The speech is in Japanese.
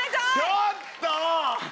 ちょっと！